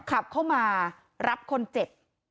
ขับเข้ามารับคนเจ็บ